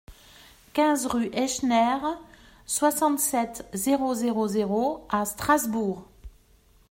quinze rue Hechner, soixante-sept, zéro zéro zéro à Strasbourg